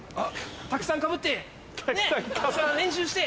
たくさんかぶってたくさん練習して。